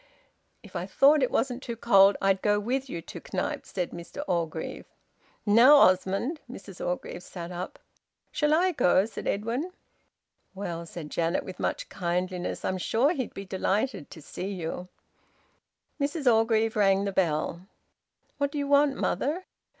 "If I thought it wasn't too cold, I'd go with you to Knype," said Mr Orgreave. "Now, Osmond!" Mrs Orgreave sat up. "Shall I go?" said Edwin. "Well," said Janet, with much kindliness, "I'm sure he'd be delighted to see you." Mrs Orgreave rang the bell. "What do you want, mother?"